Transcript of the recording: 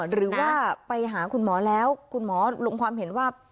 หรือว่าไปหาคุณหมอแล้วคุณหมอลงความเห็นว่า